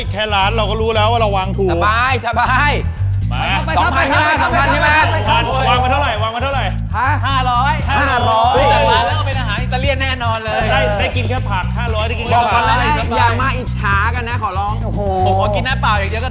ที่มีให้ไว้คันนี้ครับครับ